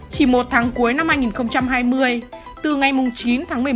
chỉ một tháng cuối năm hai nghìn hai mươi từ ngay mùng chín tháng một mươi một